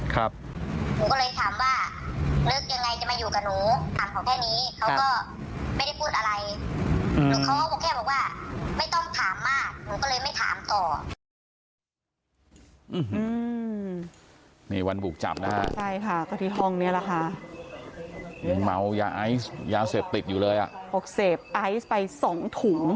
ก็เลยถามว่าเลือกยังไงจะมาอยู่กับหนู